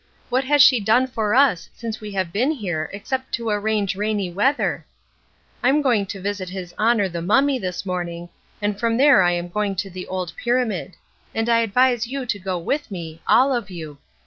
What has she done for us since we have been here except to arrange rainy weather? I'm going to visit his honor the mummy this morning, and from there I am going to the old pyramid; and I advise you to go with me, all of you.